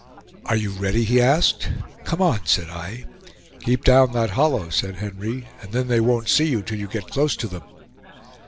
"Are you ready?" he asked. "Come on," said I. "Keep down that hollow," said Henry, "and then they won't see you till you get close to them."